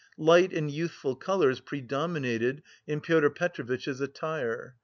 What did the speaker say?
Light and youthful colours predominated in Pyotr Petrovitch's attire.